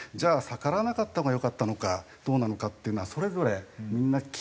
逆らわなかったほうがよかったのかどうなのかっていうのはそれぞれみんな違うんですよ。